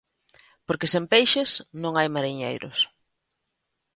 Porque sen peixes non hai mariñeiros.